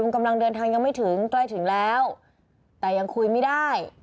กำลังเดินทางยังไม่ถึงใกล้ถึงแล้วแต่ยังคุยไม่ได้